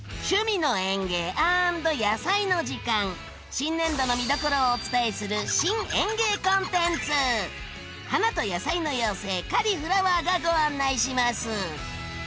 新年度の見どころをお伝えする花と野菜の妖精カリ・フラワーがご案内します！